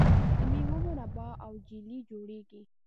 د میوو مربا او جیلی جوړیږي.